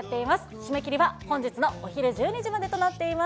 締め切りは本日のお昼１２時までとなっています。